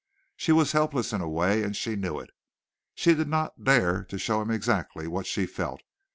She was helpless in a way and she knew it. She did not dare to show him exactly what she felt.